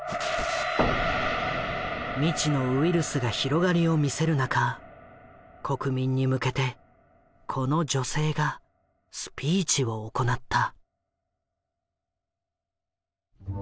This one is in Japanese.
未知のウイルスが広がりを見せる中国民に向けてこの女性がスピーチを行った。